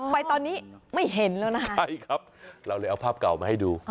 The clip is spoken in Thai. ไปตอนนี้ไม่เห็นแล้วนะใช่ครับเราเลยเอาภาพเก่ามาให้ดู